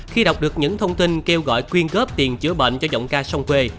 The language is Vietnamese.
khi đọc được những thông tin kêu gọi quyên góp tiền chữa bệnh cho giọng ca sông quê